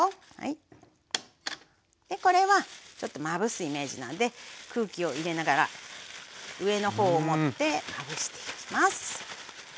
これはちょっとまぶすイメージなんで空気を入れながら上のほうを持ってまぶしていきます。